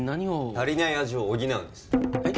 足りない味を補うんですはい？